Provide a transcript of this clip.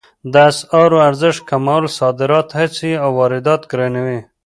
د اسعارو ارزښت کمول صادرات هڅوي او واردات ګرانوي